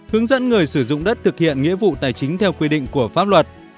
hướng dẫn người sử dụng đất thực hiện nghĩa vụ tài chính theo quy định của pháp luật